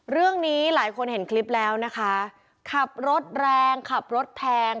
เรื่องนี้หลายคนเห็นคลิปแล้วนะคะขับรถแรงขับรถแพง